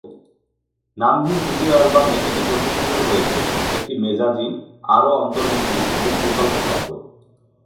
নামহীন দ্বিতীয় অ্যালবামে এটি প্রতিফলিত হয়েছে, একটি মেজাজি, আরও অন্তর্মুখী এবং 'বিকল্প' শব্দ।